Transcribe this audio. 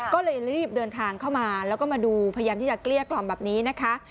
ก็เลยรีบเดินทางเข้ามาแล้วก็มาดูพยายามที่จะเกลี้ยกล่อมแบบนี้นะคะ